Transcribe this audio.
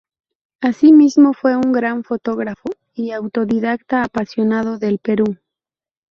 Asimismo fue un gran fotógrafo y autodidacta, apasionado del Perú.